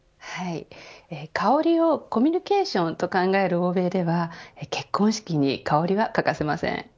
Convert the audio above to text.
香りをコミュニケーションと考える欧米では結婚式に香りは欠かせません。